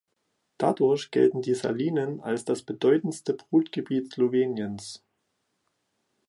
Dadurch gelten die Salinen als das bedeutendste Brutgebiet Sloweniens.